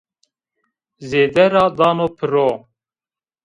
Zêde ra dano piro